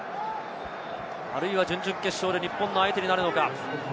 あるいは準々決勝で日本の相手になるのか？